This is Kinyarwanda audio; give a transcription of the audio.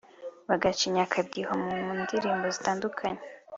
bagacinya akadiho mu ndirimbo zitandukanye